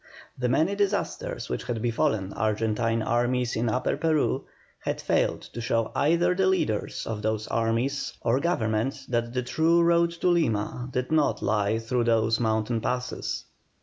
The many disasters which had befallen Argentine armies in Upper Peru had failed to show either the leaders of those armies or Government that the true road to Lima did not lie through those mountain passes.